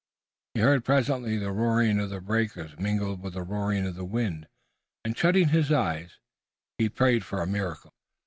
He heard presently the roaring of the breakers mingled with the roaring of the wind, and, shutting his eyes, he prayed for a miracle.